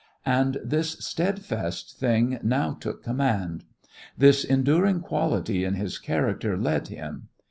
And this steadfast thing now took command. This enduring quality in his character led him.